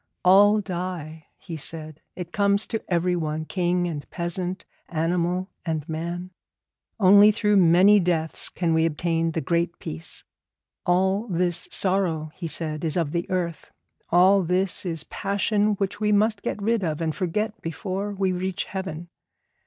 'All die,' he said; 'it comes to everyone, king and peasant, animal and man. Only through many deaths can we obtain the Great Peace. All this sorrow,' he said, 'is of the earth. All this is passion which we must get rid of, and forget before we reach heaven.